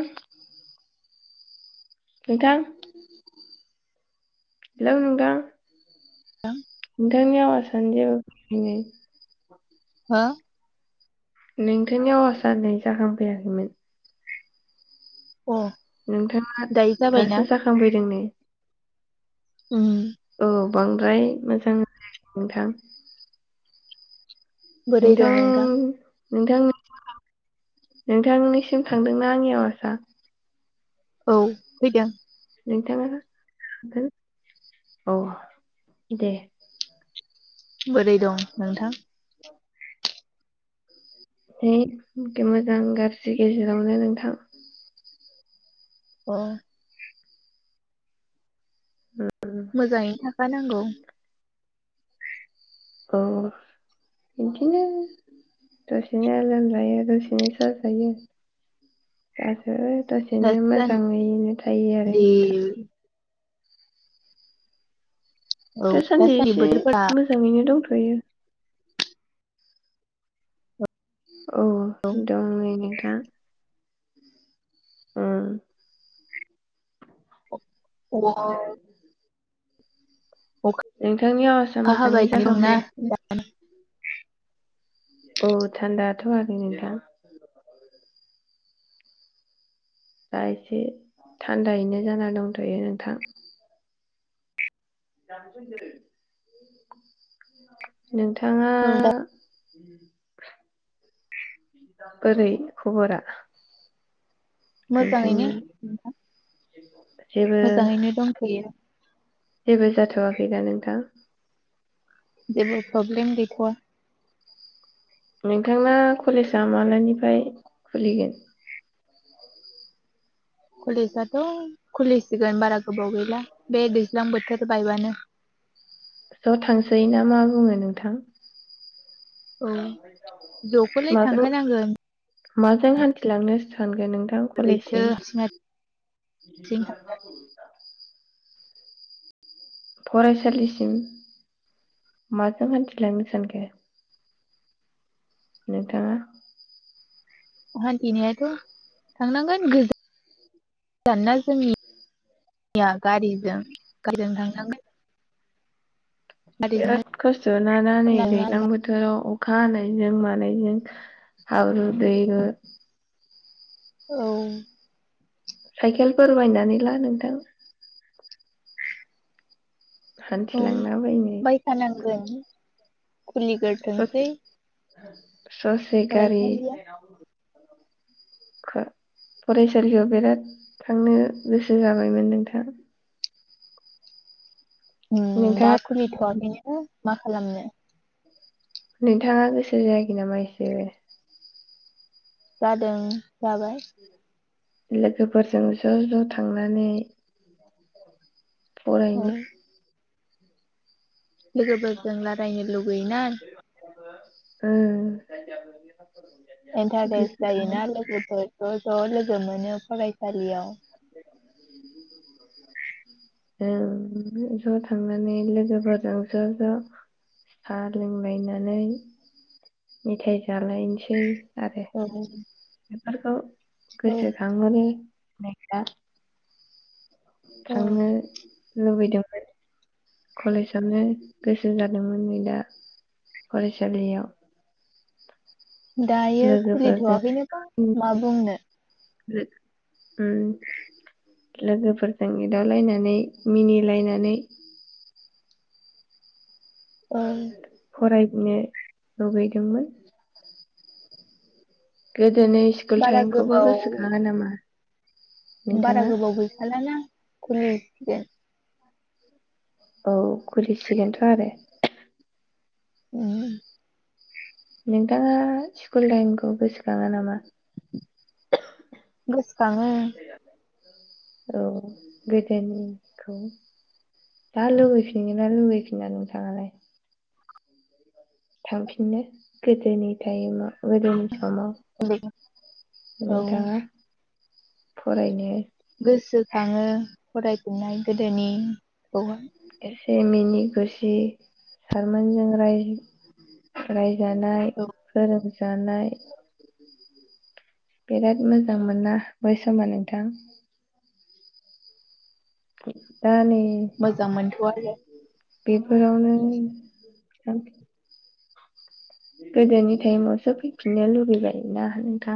ए नोंथां हेलौ नोंथां नोंथां नोंथांनियाव आ सानजायाव [unintelligible] हो नोंथांनि आवासआ नै जाहांफैयाखैमोन। अ नोंथांङा दायो जाबायना दासो जाखांफैदों नै उं औ बांद्राय मोजां जायाखै नोंथां। बोरै दं नोंथां? नोंथां नोंथांनिसिम थांदोंना आंनि आवासा? औ फैदों नोंथांङा औ दे बोरै दं नोंथां? हे मोजां गाज्रि गेजेरावनो नोंथां अ उम मोजांङै थाखानांगौ। अ बिदिनो दसेनो लोमजायो दसेनो साजायो दासो। दसेनो दासान्दि मोजांङैनो थायो आरो नोंथां औ दासान्दि एसे बोथोरफोरा मोजांङैनो दंथ गैयो औ दं नै नै हो उम [inaudible] बिदिहाय नोंथांनि आवाजआ अखा हाबाय मोजाङै दंना जाखांफैयाखै। दा औ थान्दाथ' आरो नोंथां? दा एसे थान्दायैनो जाना दंथ'यो नोंथां। [unintelligible] नोंथाङा दा उम बोरै खब'र आ? मोजाङैनो नोंथां [inaudible] जेबो मोजाङैनो दंथ'यो। जेबो जाथ'वाखै दा नोंथां? जेबो प्रब्लेम गैथ'आ। नोंथांना कलेजआ मालानिफ्राय खुलिगोन कलेजआथ' खुलिसिगोन बारा गोबाव गैला बे दैज्लां बोथोर बायबानो। ज' थांसै ना मा बुङो नोंथां? औ ज'खोलाय माजों थांखानांगोन माजों हान्थिलांनो सानगोन नों? थां ओरैथो कलेजसिम? हारसिं हारसिं थांनो फरायसालिसिम माजों हान्थिलांनो सानखो? नोंथाङा? हान्थिनायाथ' थांनांगोन गोजान ना जोंनिया गारिजों गारिजों थांनांगोन। गारिजोंनो बिराद खस्थ' नाना नै खोनादोंना दैलां नोंथां बोथोराव? अखा हानायजों मानायजों हाब्रु दैब्रु औ साइकेलफोर बायनानै ला नोंथां हान्थिलांलाबायनो जों ससे खुलिग्रोथोंसै [inaudible] ससे गारि फरायसालिया फराइसालियाव बिराद थांनो गोसो जाबायमोन नोंथां उम दा नोंथाङा खुलि थ'आखै नो। मा खालामनो नोंथाङा गोसो जायाखै नामा एसेबो? जादों जाबाय? लोगोफोरजों ज' ज' थांनानै औ फरायनो लोगोफोरजों रायलायनो लुुबैयोना ओ इन्टारेस्ट जायोना लोगोफोर ज' ज' लोगो मोनो फरायसालियाव [inaudible] जों ज' थांनानै लोगोफोरजों ज' ज' साहा लोंलायनानै मेथाइ जालायसै [unintelligible] बेफोरखौ औ गोसोखाङो [unintelligible] औ थांनो लुबैदोंमोन कलेजावनो गोसो जादोंमोन नै दा फरायसालियाव दायो लोगोफोरजों खुलिथ'वाखैनोबा मा बुंनो लोगो ओम लोगोफोरजों एदावलायनानै मिनिलायनानै औ फराय नो लुबैदोंमोन गो दोनि स्कुल बारा टाइमखौबो गोबाव गोसोखाङो नामा बारा नोंथाङा गोबाव गैखालाना खुलि [unintelligible] औ खुलिसिगोनथ' आरो ओम नोंथाङा स्कुल टाइमखौ गोसोखाङा नामा गोसोखाङो औ गोदोनिखौ जा लुबैफिनो ना लुबैफिना नोंथाङालाय थांफिननो गोदोनि टाइमाव गोदोनि समाव उन्दै औ नोंथाङा फरायनो गोसोखाङो फरायफिननाय गोदोनिखौहाय से मिनि खुसि सारमोनजों राय राय जानाय औ फोर जानाय बेराद मोजां मोनना बै समा नोंथां दा नै मोजां मोनथ'आ आरो बेफोरावनो [inaudible] गोदोनि टाइमावसो फैफिननो लुबैबायोना नोंथां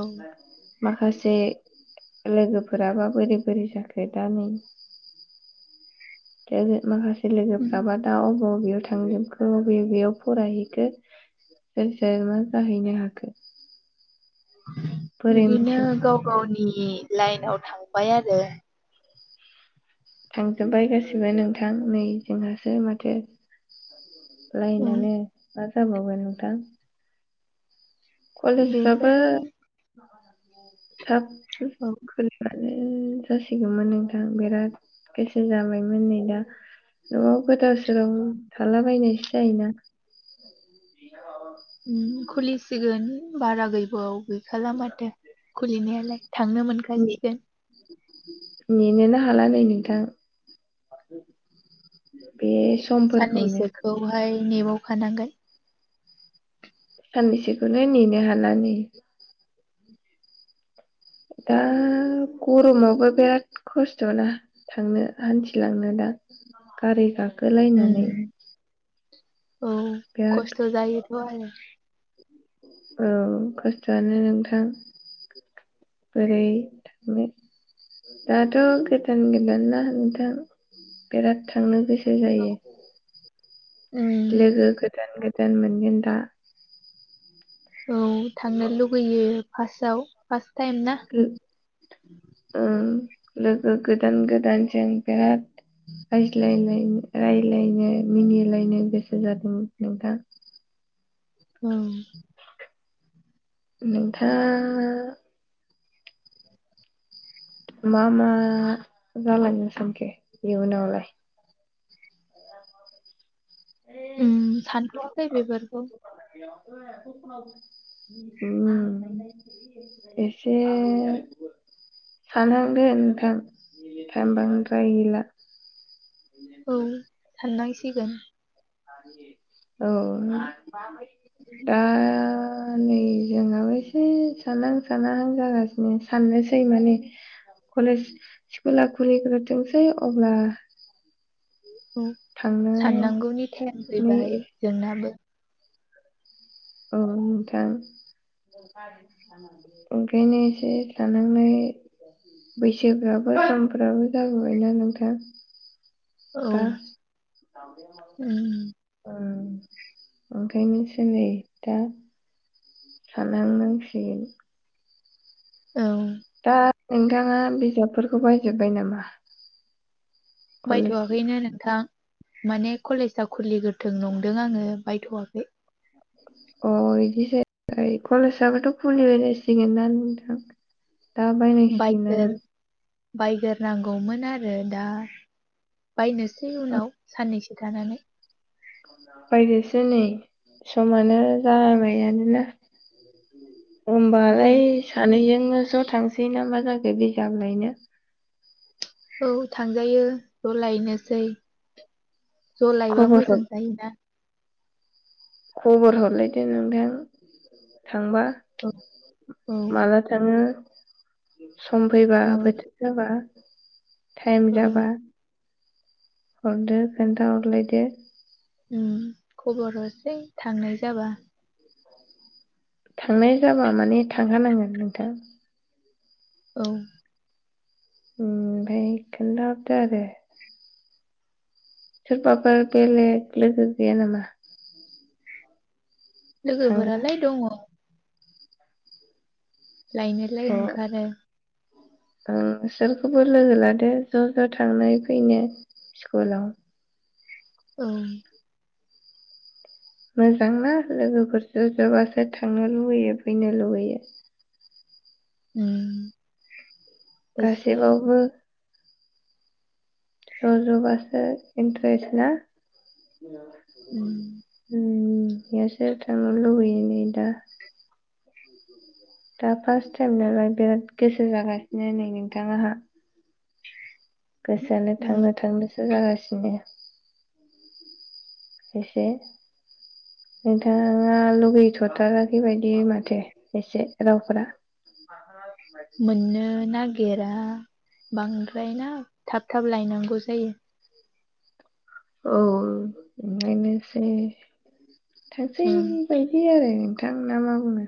औ माखासे लोगोफोराबा बोरै बोरै जाखो दा नै [unintelligible] उम लोगोफ्राबा दा अ बबेयाव थांजोबखो अबे अबेयाव फरायहैखो सोर सोर मा जाहैनो हाखो बोरै बिदिनो मिथि गाव गावनि नि लाइनाव थांबाय आरो थांजोब्बाय गासिबो नोंथां नै जोंहासो माथो औ लाइनायानो जाबावगोन नोंथां कलेजफ्राबो बेनिफ्राय औ थाब [inaudible] जासिगौमोन नोंथां बिराद गोसो जाबायमोन नै दा न'आव गोदाव सोराव थालाबायनायसो जायोना उ खुलिसिगोन बारा गैबाव गैखाला माथो खुलिनायालाय थांनो मोनगासिगोन नेनो हाला नै नोंथां बे समफोरखौनो साननैसोखौहाय नेबावखानांगोन सानैसोखौ नेनो हालानै दा गरमावबो बिराद खस्थ'ना थांनो हान्थिलांनो दा गारि गा खोलायनानै उम [inaudible] औ खस्थ' जायोथ' आरो औ खस्थ'आनो नोंथां बोरै थांनो दाथ' गोदान गोदान ना नोंथां बिराद थांनो गोसो औ जायो। उम लोगो गोदान गो दान मोनगोन दा औ थांनो लुगैयो फार्स्टआव फास टाइम ना उम लोगो गोदान गोदानजों बिराद रायज्लाय रायलायनो मिनिलायनो गोसो जादोंमोन नोंथां औ नोंथां मा मा जलाय नो सानखो इउनावलाय उम सानथ'वाखै बिफोरखौ ओम एसे सानहांगोन नोंथां टाइम बांद्राय गैला फैगोन औ दा नै जोंनाव एसे सानहां सानहां जागासिनो साननोसै माने कलेज स्कुला खुलिग्रोथोंसै अब्ला थांनो साननांगौनि टाइम नै फैबाय जोंनाबो औ नोंथां ओंखायनो एसे थानांनाय बैसोफ्राबो समफ्राबो जाबोबायना नोंथां औ दा उम ओ ओखायनोनोसै दा सलदसिल औ दा नोंथाङा बिजाबफोरखौ बायजोब्बाय नामा कलेज बायथ'वाखैनो नोंथां माने कलेजआ खुलिग्रोथों नंदों आङो बायथ'वाखै अ बिदि जै कलेजाबोथ' खुलिबायनसिगोनना नोंथां दा बायनांसिगोन आरो बायग्रोनांगौमोन आरो दा बायनोसै उनाव साननैसो थानानै बायदसो नै समानो जाबायानोना औ होमबालाय सानैजों जोङो ज' थांसै ना मा जाखो बिजाब लायनो औ थांजायो ज लायनोसै ज' लायबा खबर हर मोजां जायोना खबर हरलायदो नोंथां थांबा औ औ माला थाङो बि सम फैबा औ बोथोर जाबा टाइम औ जाबा हरदो खोन्था हरलादो उम खबर हरसै थांनाय जाबा थांनाय जाबा माने थांखानांगोन नोंथां औ ओमफाय खोनथाहरदो आरोे सोरबाफोरा बेलेग लोगो गैया नामा थांग्रा लोगोफोरालाय दङ लायनोलाय ओंखारो ओं सोरखौबा लोगो लादो ज' ज' थांना फैनो स्कुलाव औ मोजांना लोगोफोरजों ज ज बासो थांनो लुबैयो फैनो लुुबैयो। उम एसे गासैबावबो ज'ज' बासो इन्ट्रेसना? उ यासो थांनो लुबैयो नै दा दा फार्स्ट टाइम नालाय बिराद गोसो जागासिनो नै नोंथां आहा गोसोआनो उम थांनो थांनोसो जागासिनो द [unintelligible] एसे नोंथाङा लुगैथ'थाराखै बादि माथो एसे रावफोरा मोननो ना गेरा बांद्रायना थाब-थाब लायनांगौ जायो औ [unintelligible] थासेै उम बायदि आरो नोंथां ना मा बुंनो